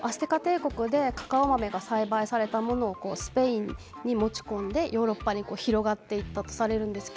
そこでカカオ豆が栽培されたものを、スペインに持ちこんでヨーロッパに広がっていったとされています。